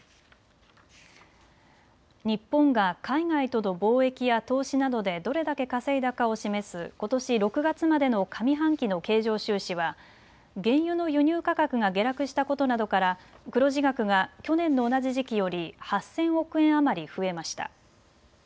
日本が海外との貿易や投資などでどれだけ稼いだかを示すことし６月までの上半期の経常収支は原油の輸入価格が下落したことなどから黒字額が去年の同じ時期より８０００億円余り増えました。